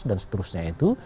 dan seterusnya itu